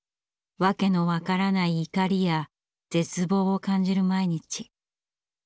訳の分からない怒りや絶望を感じる毎日。